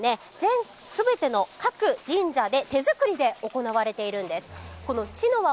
ちのわは、すべての各神社で手作りで行われているんです。